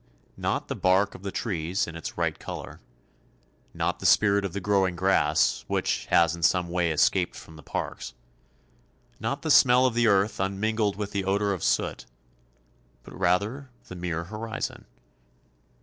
Not the bark of the trees in its right colour; not the spirit of the growing grass, which has in some way escaped from the parks; not the smell of the earth unmingled with the odour of soot; but rather the mere horizon.